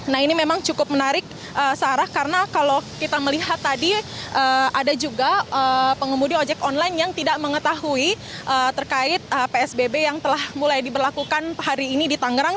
nah ini memang cukup menarik sarah karena kalau kita melihat tadi ada juga pengemudi ojek online yang tidak mengetahui terkait psbb yang telah mulai diberlakukan hari ini di tangerang